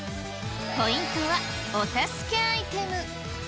ポイントはお助けアイテム。